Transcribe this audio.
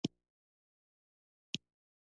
کیبلیان نه شي کولای چې هغه تر تعقیب لاندې راولي.